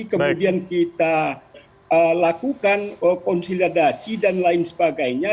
kemudian kita lakukan konsolidasi dan lain sebagainya